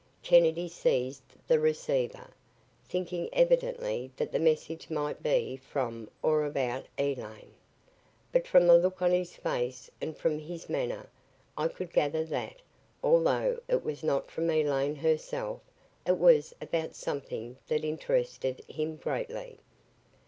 Kennedy seized the receiver, thinking evidently that the message might be from or about Elaine. But from the look on his face and from his manner, I could gather that, although it was not from Elaine herself, it was about something that interested him greatly.